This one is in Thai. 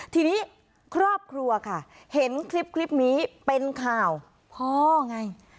ทีนี้ครอบครัวค่ะเห็นคลิปนี้เป็นข่าวพ่อไง